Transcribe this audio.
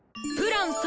プラン